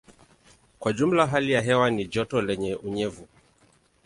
Kwa jumla hali ya hewa ni joto lenye unyevu.